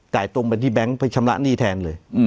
ตรงไปที่แก๊งไปชำระหนี้แทนเลย